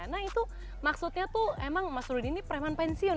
nah itu maksudnya tuh emang mas rudi ini preman pensiun